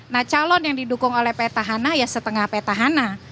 nah calon yang didukung oleh petahana ya setengah petahana